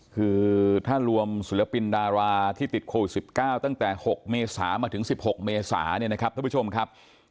คือถ้ารวมศิลปินดาราที่ติดโควิด๑๙ตั้งแต่๖เมษามาถึง๑๖เมษาเนี่ยนะครับท่านผู้ชมครับ